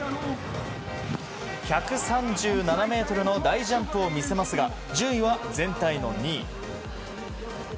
１３７ｍの大ジャンプを見せますが順位は全体の２位。